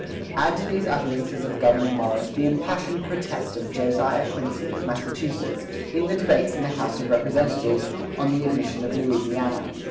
Add to these utterances of Gouverneur Morris the impassioned protest of Josiah Quincy, of Massachusetts, in the debates in the House of Representatives, on the admission of Louisiana.